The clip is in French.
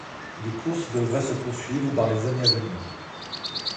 Les courses devraient se poursuivre dans les années à venir.